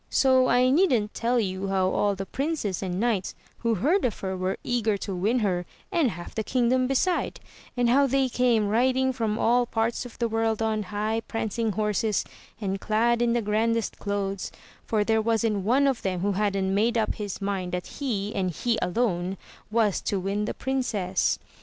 So I needn't tell you how all the princes and knights who heard of her were eager to win her and half tll^i^kingdoi^ beside; and how they came riding from all parts of theVoriil^n high prancing horses, and clad in the grandest clothes, for there wasn't one of them who hadn't made up his mind that he, and he alone, was to win the princess.